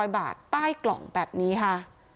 ๐บาทใต้กล่องแบบนี้ค่ะ